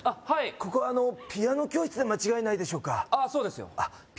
ここピアノ教室で間違いないでしょうか